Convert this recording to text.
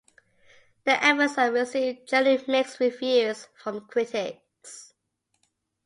The episode received generally mixed reviews from critics.